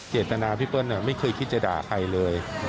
ตนาพี่เปิ้ลไม่เคยคิดจะด่าใครเลย